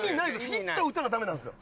ヒットを打たなダメなんですよ。